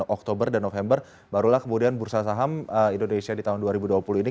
oktober dan november barulah kemudian bursa saham indonesia di tahun dua ribu dua puluh ini